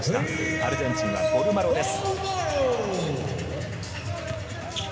アルゼンチンがボルマロです。